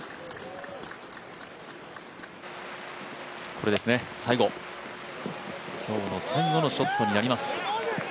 これですね、最後今日の最後のショットになります。